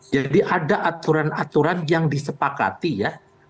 jadi ada aturan aturan yang disepakati ya